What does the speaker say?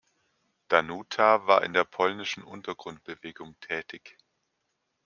Danuta war in der polnischen Untergrundbewegung tätig.